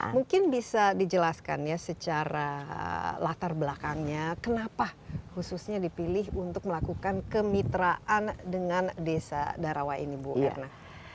mungkin bisa dijelaskan ya secara latar belakangnya kenapa khususnya dipilih untuk melakukan kemitraan dengan desa darawa ini bu erna